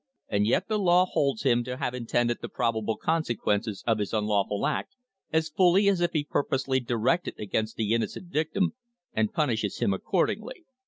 And yet the law holds him to have intended the probable consequences of his unlawful act as fully as if purposely directed against the innocent victim, and punishes him accordingly.